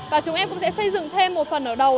và chúng em cũng sẽ xây dựng thêm một phần ở đầu